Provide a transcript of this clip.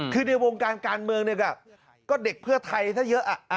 คือในวงการการเมืองเนี่ยก็เด็กเพื่อไทยถ้าเยอะ